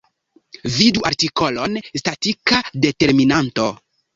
Vidu artikolon: statika determinanto.